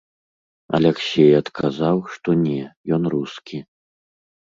Аляксей адказаў, што не, ён рускі.